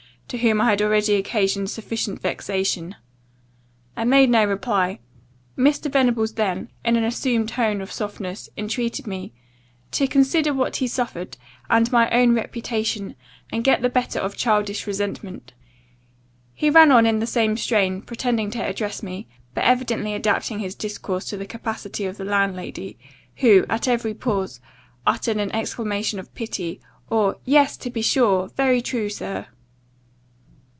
to whom I had already occasioned sufficient vexation.' I made no reply. Mr. Venables then, in an assumed tone of softness, intreated me, 'to consider what he suffered, and my own reputation, and get the better of childish resentment.' He ran on in the same strain, pretending to address me, but evidently adapting his discourse to the capacity of the landlady; who, at every pause, uttered an exclamation of pity; or 'Yes, to be sure Very true, sir.